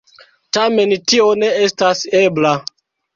Tamen tio ne estas ebla.